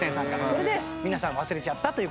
それで皆さん忘れちゃったという事で。